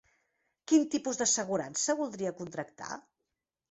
Quin tipus d'assegurança voldria contractar?